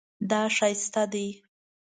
دا ښایسته دی